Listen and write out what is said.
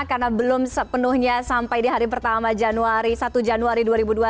karena belum sepenuhnya sampai di hari pertama januari satu januari dua ribu dua puluh satu